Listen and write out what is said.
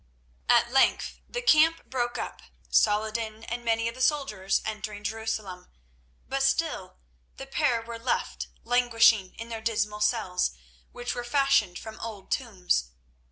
At length the camp broke up, Saladin and many of the soldiers entering Jerusalem; but still the pair were left languishing in their dismal cells, which were fashioned from old tombs.